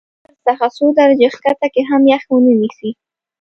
له صفر څخه څو درجې ښکته کې هم یخ ونه نیسي.